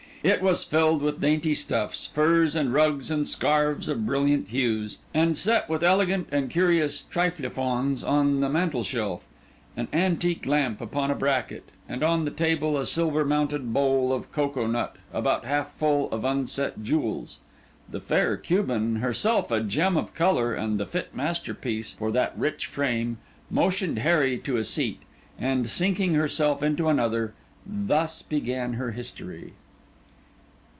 It was filled with dainty stuffs, furs and rugs and scarves of brilliant hues, and set with elegant and curious trifles fans on the mantelshelf, an antique lamp upon a bracket, and on the table a silver mounted bowl of cocoa nut about half full of unset jewels. The fair Cuban, herself a gem of colour and the fit masterpiece for that rich frame, motioned Harry to a seat, and sinking herself into another, thus began her history.